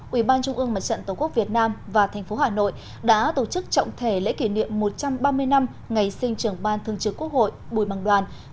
ubnd tổ quốc việt nam và tp hà nội đã tổ chức trọng thể lễ kỷ niệm một trăm ba mươi năm ngày sinh trưởng ban thường trực quốc hội bùi bằng đoàn